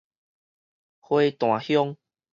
花壇鄉